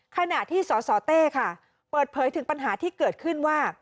ขณะที่สสเต้ค่ะเปิดเผยถึงปัญหาที่เกิดขึ้นว่า